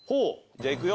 じゃあいくよ。